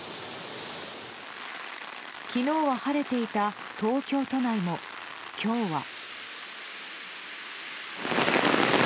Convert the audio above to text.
昨日は晴れていた東京都内も今日は。